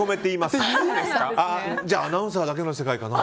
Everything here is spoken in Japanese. アナウンサーだけの世界かな。